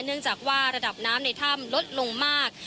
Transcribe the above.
เนื่องจากว่าระดับน้ำในถ้ำลดลงมาก